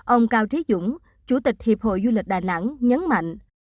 ông cao trí dũng chủ tịch hiệp hội du lịch đà nẵng nhấn mạnh